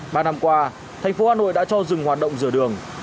ba năm qua thành phố hà nội đã cho dừng hoạt động rửa đường